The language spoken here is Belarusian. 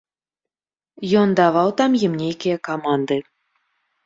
Ён даваў там ім нейкія каманды.